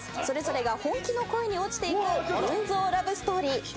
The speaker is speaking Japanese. それぞれが本気の恋に落ちていく群像ラブストーリー。